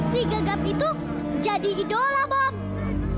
si gagap itu jadi idola bob